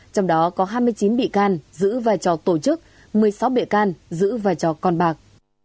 trong đó có hai mươi chín bị can giữ vai trò tổ chức một mươi sáu bị can giữ vai trò con bạc